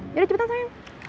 yaudah cepetan sayang